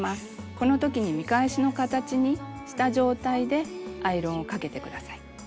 このときに見返しの形にした状態でアイロンをかけて下さい。